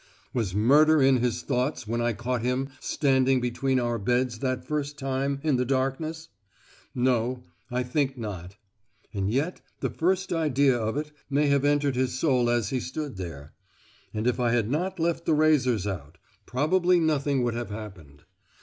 "Was murder in his thoughts when I caught him standing between our beds that first time, in the darkness? No. I think not. And yet the first idea of it may have entered his soul as he stood there—And if I had not left the razors out, probably nothing would have happened.